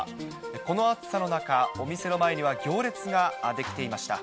この暑さの中、お店の前には行列が出来ていました。